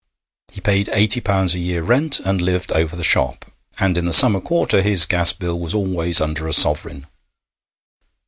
He paid eighty pounds a year rent, and lived over the shop, and in the summer quarter his gas bill was always under a sovereign.